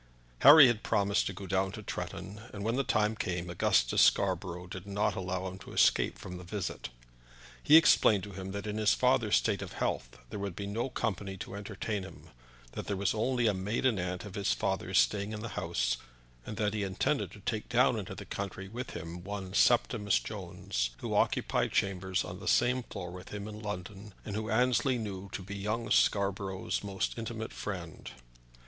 Harry had promised to go down to Tretton, and when the time came Augustus Scarborough did not allow him to escape from the visit. He explained to him that in his father's state of health there would be no company to entertain him; that there was only a maiden sister of his father's staying in the house, and that he intended to take down into the country with him one Septimus Jones, who occupied chambers on the same floor with him in London, and whom Annesley knew to be young Scarborough's most intimate friend.